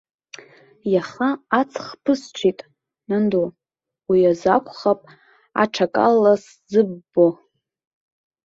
Иаха аҵх ԥысҽит, нанду, уи азы акәхап аҽакала сзыббо.